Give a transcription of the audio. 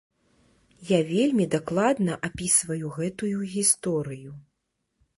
Я вельмі дакладна апісваю гэтую гісторыю.